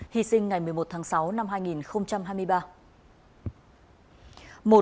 hy sinh ngày một mươi một tháng sáu năm hai nghìn hai mươi ba